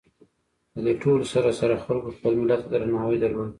د دې ټولو سره سره خلکو خپل ملت ته درناوي درلود.